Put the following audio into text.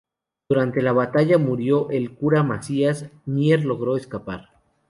Durante la batalla murió el cura Macías, Mier logró escapar.